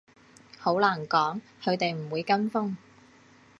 好難講，佢哋唔會跟風